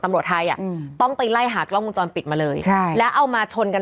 ตำรวจไทยอ่ะอืมต้องไปไล่หากล้องวงจรปิดมาเลยใช่แล้วเอามาชนกัน